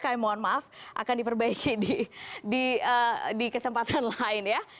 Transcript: kami mohon maaf akan diperbaiki di kesempatan lain ya